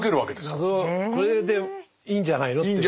謎これでいいんじゃないのって。